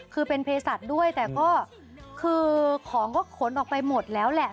คือเป็นเพศสัตว์ด้วยแต่ก็คือของก็ขนออกไปหมดแล้วแหละ